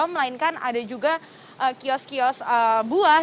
melainkan ada juga kios kios buah